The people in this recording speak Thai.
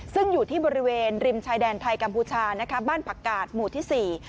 ซึ่งอยู่ที่บริเวณริมชายแดนไทยกัมพูชานะคะบ้านผักกาดหมู่ที่สี่